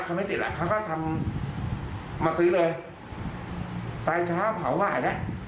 เขาไม่ติดแหละเขาเขาทำมาซื้อเลยไปช้าเผาหวายน่ะ